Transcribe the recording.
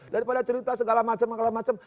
daripada cerita segala macam segala macam